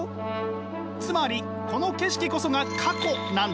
つまりこの景色こそが過去なんです！